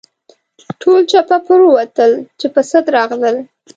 ټول چپه پر ووتل چې پر سد راغلل.